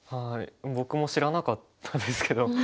僕も知らなかったですけど。